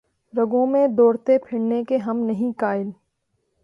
رگوں میں دوڑتے پھرنے کے ہم نہیں قائل